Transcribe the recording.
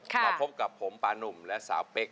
มาพบกับผมปานุ่มและสาวเป๊ก